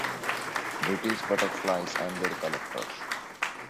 British Butterflies and their Collectors.